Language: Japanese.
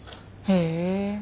へえ。